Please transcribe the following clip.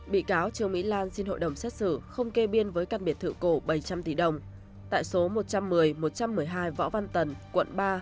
bị cáo trương mỹ lan xin hội đồng xét xử không kê biên với căn biệt thự cổ bảy trăm linh tỷ đồng tại số một trăm một mươi một trăm một mươi hai võ văn tần quận ba